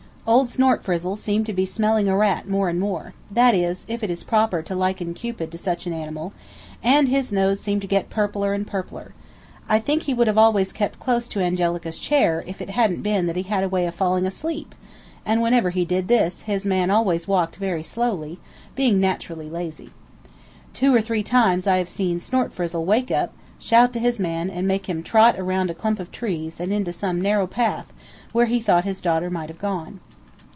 Old Snortfrizzle seemed to be smelling a rat more and more that is, if it is proper to liken Cupid to such an animal and his nose seemed to get purpler and purpler. I think he would always have kept close to Angelica's chair if it hadn't been that he had a way of falling asleep, and whenever he did this his man always walked very slow, being naturally lazy. Two or three times I have seen Snortfrizzle wake up, shout to his man, and make him trot around a clump of trees and into some narrow path where he thought his daughter might have gone.